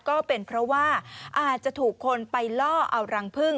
ก็เป็นเพราะว่าอาจจะถูกคนไปล่อเอารังพึ่ง